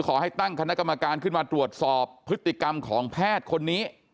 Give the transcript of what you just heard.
ขอให้ตั้งคณะกรรมการขึ้นมาตรวจสอบพฤติกรรมของแพทย์คนนี้